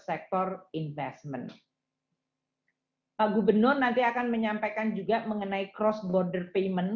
sektor investment pak gubernur nanti akan menyampaikan juga mengenai cross border payment